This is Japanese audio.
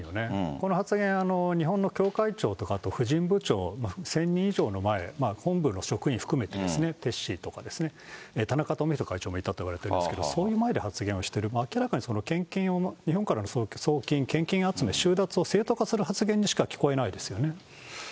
この発言、日本の教会長とかと、婦人部長、１０００人以上の前、本部の職員含めてですね、テッシーとかですね、田中富広会長もいたといわれてますけど、そういう前で発言してる、明らかに献金を、日本からの送金、献金集め、収奪を正当化する発言にしか聞こえないですよね。